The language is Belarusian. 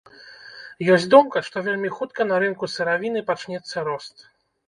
Ёсць думка, што вельмі хутка на рынку сыравіны пачнецца рост.